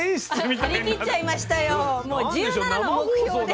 張り切っちゃいました。